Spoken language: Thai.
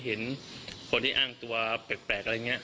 เห็นคนที่อ้างตัวแปลกแล้วยังไง